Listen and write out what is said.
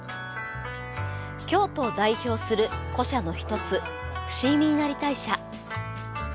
京都を代表する古社の一つ伏見稲荷大社。